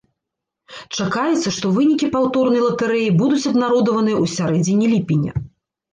Чакаецца, што вынікі паўторнай латэрэі будуць абнародаваныя ў сярэдзіне ліпеня.